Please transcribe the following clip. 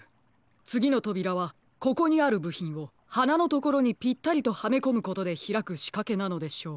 つぎのとびらはここにあるぶひんをはなのところにピッタリとはめこむことでひらくしかけなのでしょう。